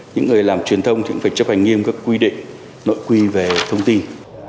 những người làm truyền thông thì cũng phải chấp hành nghiêm các quy định nội quy về thông tin